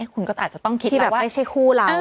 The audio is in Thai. คุณก็อาจจะต้องคิดแบบว่า